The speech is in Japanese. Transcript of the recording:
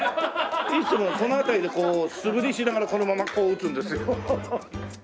いつもこの辺りでこう素振りしながらこのままこう打つんですよ。